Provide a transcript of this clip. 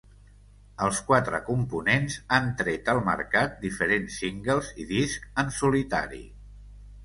Els quatre components han tret al mercat diferents singles i discs en solitari.